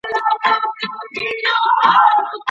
که ښاروالي له کسبګرو مالیه سمه واخلي، نو حق نه تلف کیږي.